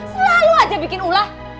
selalu aja bikin ulah